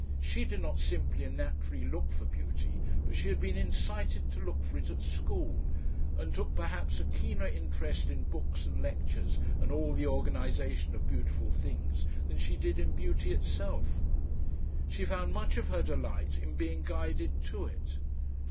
She did not simply and naturally look for beauty but she had been incited to look for it at school, and took perhaps a keener interest in books and lectures and all the organisation of beautiful things than she did in beauty itself; she found much of her delight in being guided to it.